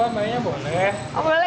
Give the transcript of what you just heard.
kalau mau coba mainnya boleh